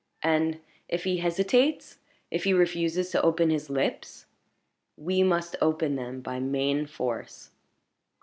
"And if he hesitates if he refuses to open his lips?" "We must open them by main force."